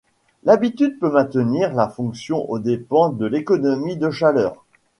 L'habitude peut maintenir la fonction aux dépens de l'économie de chaleur.